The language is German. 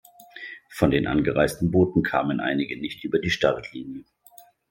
Von den angereisten Booten kamen einige nicht über die Startlinie.